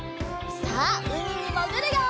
さあうみにもぐるよ！